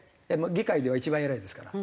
議会では一番偉いですから。